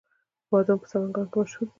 بادام په سمنګان کې مشهور دي